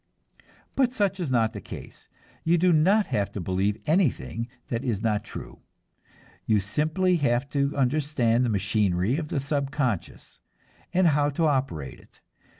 But such is not the case. You do not have to believe anything that is not true; you simply have to understand the machinery of the subconscious, and how to operate it.